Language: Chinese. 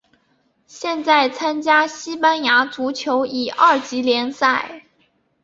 现在参加西班牙足球乙二级联赛。